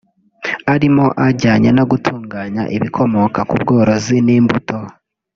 arimo ajyanye no gutunganya ibikomoka ku ubworozi n’imbuto